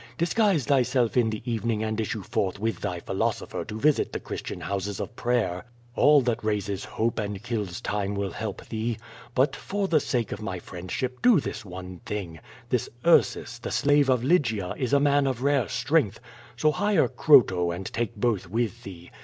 Disguise thyself in the evening and issue forth with thy philosopher to visit the Christian houses of prayer. All that raises hope and kills time will help thee. But, for the sake of my friendship, do this one thing: This ITrsus, the slave of Lygia, is a man of rare strength. So hire Croto and take both with thee.